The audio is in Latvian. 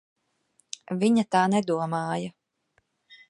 Viņa tā nedomāja.